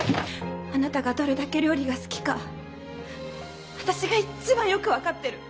あなたがどれだけ料理が好きか私が一番よく分かってる。